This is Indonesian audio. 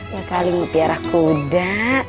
ya kali mau pelihara kuda